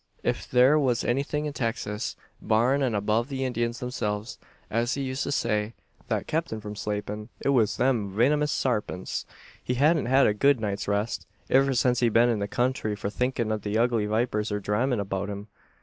If there was anything in Texas, "barrin' an above the Indyins themselves," as he used to say, "that kept him from slapin', it was them vinamous sarpints. He hadn't had a good night's rest, iver since he'd been in the counthry for thinkin' av the ugly vipers, or dhramin' about thim.